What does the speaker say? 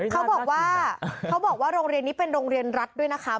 เขาบอกว่าโรงเรียนนี่เป็นโรงเรียนรัดด้วยนะฮะ